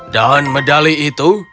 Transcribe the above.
dan medali itu